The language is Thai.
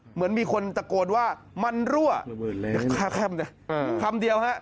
เหมือนมีคนตะโกนว่ามันรั่วค่าค่ำนะคำเดียวฮะ